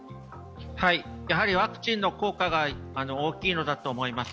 ワクチンの効果が大きいのだと思います。